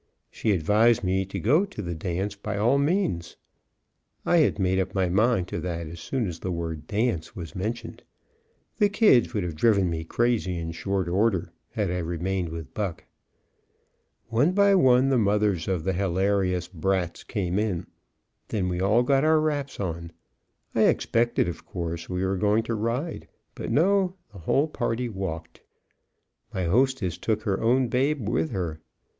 She advised me to go to the dance, by all means. I had made up my mind to that as soon as the word "dance" was mentioned; the "kids" would have driven me crazy in short order, had I remained with Buck. One by one the mothers of the hilarious "brats" came in; then we all got our wraps on. I expected, of course, we were going to ride, but no, the whole party walked. My hostess took her own babe with her.